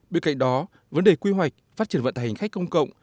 bên cạnh đó vấn đề quy hoạch phát triển vận tải hành khách công cộng